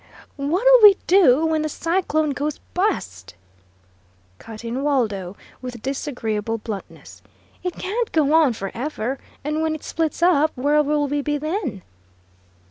"What'll we do when the cyclone goes bu'st?" cut in Waldo, with disagreeable bluntness. "It can't go on for ever, and when it splits up, where will we be then?"